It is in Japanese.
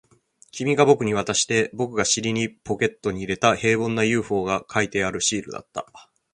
君が僕に渡して、僕が尻にポケットに入れた、平凡な ＵＦＯ が描いてあるシールだった